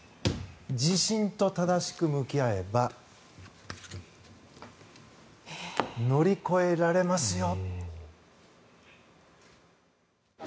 地震と正しく向き合えば乗り越えられますよ。